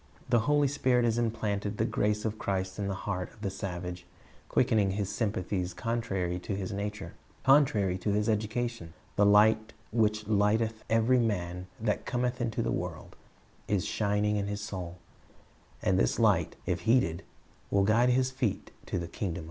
The Holy Spirit has implanted the grace of Christ in the heart of the savage, quickening his sympathies contrary to his nature, contrary to his education. The " Light which lighteth every man that cometh into the world," ' is shining in his soul; and this light, if heeded, will guide his feet to the kingdom of God.